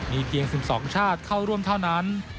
มีเพียง๑๒ชาติเข้าร่วมเท่านั้น